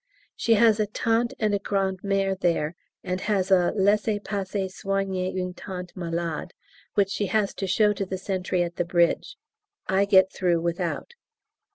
She has a tante and a grandmère there, and has a "laisser passer soigner une tante malade" which she has to show to the sentry at the bridge. I get through without.